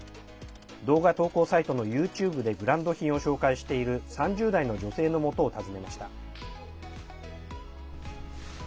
動画投稿サイトのＹｏｕＴｕｂｅでブランド品を紹介している３０代の女性のもとを訪ねました。